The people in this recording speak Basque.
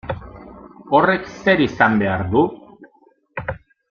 Horrek zer izan behar du?